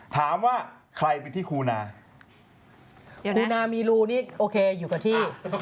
ถามว่าใครไปที่ครูนาครูนามีรูนี่โอเคอยู่กับที่